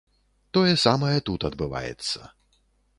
Тое самае тут адбываецца.